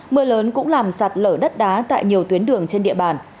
mưa lớn cũng làm sạt lở đất đá tại nhiều tuyến đường trên địa bàn